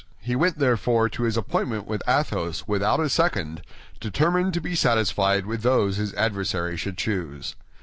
He went therefore to his appointment with Athos without a second, determined to be satisfied with those his adversary should choose.